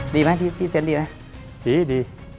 ดีไหมที่เซ็นต์ดีไหม